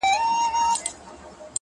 د ملازو د ملامتو يې ساتلى يمه